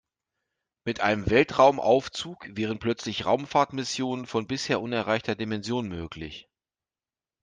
Mit einem Weltraumaufzug wären plötzlich Raumfahrtmissionen von bisher unerreichter Dimension möglich.